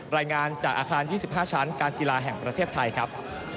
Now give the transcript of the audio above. รายงานจากอาคาร๒๕ชั้นการกีฬาแห่งประเทศไทยครับ